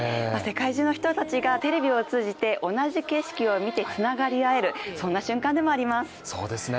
世界中の人たちがテレビを通じて同じ景色を見て繋がり合える、そんな瞬間でもあります。